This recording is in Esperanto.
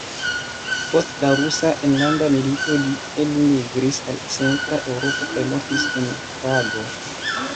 Post la Rusa Enlanda Milito li elmigris al Centra Eŭropo kaj mortis en Prago.